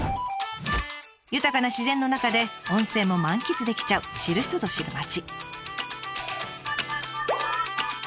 豊かな自然の中で温泉も満喫できちゃう知る人ぞ知る町。